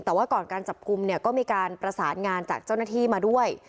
แต่ว่าก่อนการจับกลุ่มเนี่ยก็มีการประสานงานจากเจ้าหน้าที่มาด้วย